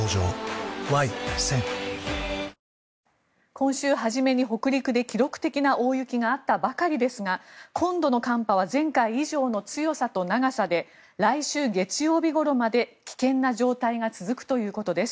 今週初めに北陸で記録的な大雪があったばかりですが今度の寒波は前回以上の強さと長さで来週月曜日ごろまで危険な状態が続くということです。